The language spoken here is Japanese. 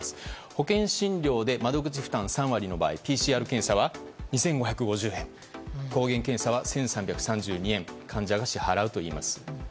保険診療で窓口負担が３割の場合ＰＣＲ検査は２５５０円抗原検査は１３３２円患者が支払うといいます。